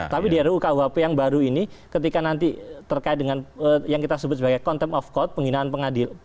tapi di rukuhp yang baru ini ketika nanti terkait dengan yang kita sebut sebagai contempt of court penghinaan pengadilan